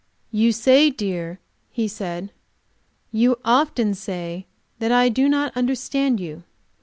"You say, dear," he said, "you often say, that I do not understand you.